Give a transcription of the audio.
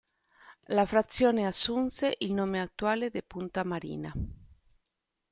La frazione assunse il nome attuale di Punta Marina.